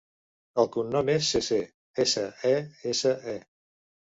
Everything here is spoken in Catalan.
El cognom és Sese: essa, e, essa, e.